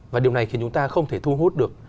và điều này khiến chúng ta không thể thu hút được